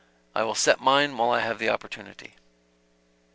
I will set mine while I have the opportunity."